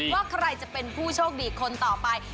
ว่าใครจะเป็นผู้โชคดีคนต่อไป